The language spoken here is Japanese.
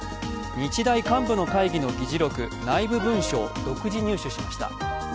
日大幹部の会議の議事録、内部文書を独自入手しました。